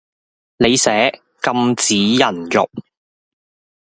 你寫禁止人肉